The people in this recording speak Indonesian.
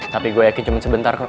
tapi gue yakin cuma sebentar kok